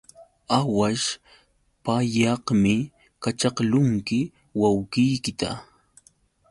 Aawaśh pallaqmi kaćhaqlunki wawqiykita.